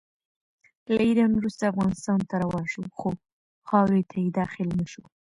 له ایران وروسته افغانستان ته روان شو، خو خاورې ته یې داخل نه شو.